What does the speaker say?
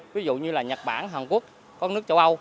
ví dụ như nhật bản hàn quốc châu âu